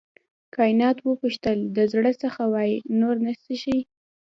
کانت وپوښتل د زړه څخه وایې نور نه څښې.